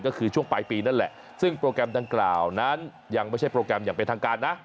ก็คือช่วงปลายปีนั่นแหละซึ่งโปรแกรมดังกล่าวนั้นยังไม่ใช่โปรแกรมอย่างเป็นทางการนะ